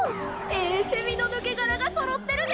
ええセミのぬけがらがそろってるで！